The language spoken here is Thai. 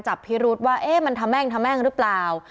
จับพิรุธว่าเอ๊ะมันทำแม่งทำแม่งหรือเปล่า